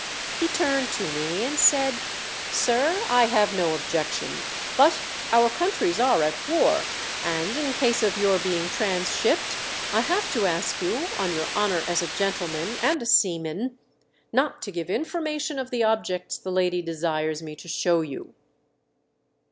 He turned to me and said, " Sir, I have no objection, but our countries are at war, and in case of your being transhipped I have to ask you, on your honour as a gentleman and a seaman, not to give information of the objects the lady desires me to show you.